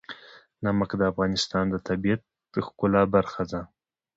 نمک د افغانستان د طبیعت د ښکلا برخه ده.